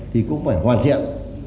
thì cũng phải hoàn thiện